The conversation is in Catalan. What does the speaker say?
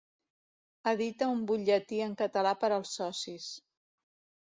Edita un butlletí en català per als socis.